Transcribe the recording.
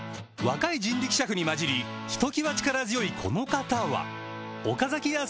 若い人力車夫に交じりひときわ力強いこの方は岡崎屋